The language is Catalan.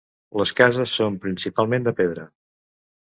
Les cases són principalment de pedra.